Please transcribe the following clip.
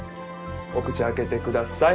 お口開けてください。